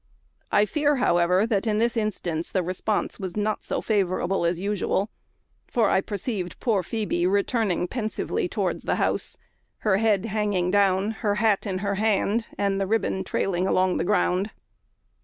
I fear, however, that in this instance the response was not so favourable as usual, for I perceived poor Phoebe returning pensively towards the house; her head hanging down, her hat in her hand, and the riband trailing along the ground.